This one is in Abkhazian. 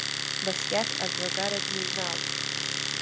Басиаҭ аӡлагара дныҩналт.